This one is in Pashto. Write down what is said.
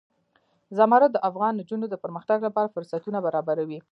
زمرد د افغان نجونو د پرمختګ لپاره فرصتونه برابروي.